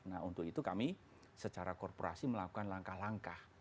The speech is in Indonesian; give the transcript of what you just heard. nah untuk itu kami secara korporasi melakukan langkah langkah